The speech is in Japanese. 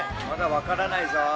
まだわからないぞ。